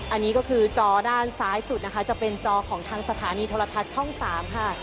อันนี้ก็คือจอด้านซ้ายสุดนะคะจะเป็นจอของทางสถานีโทรทัศน์ช่อง๓ค่ะ